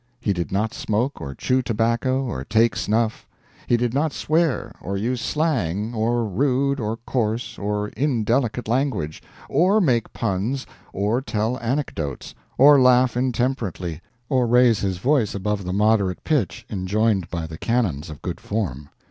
He did not smoke or chew tobacco or take snuff; he did not swear, or use slang or rude, or coarse, or indelicate language, or make puns, or tell anecdotes, or laugh intemperately, or raise his voice above the moderate pitch enjoined by the canons of good form.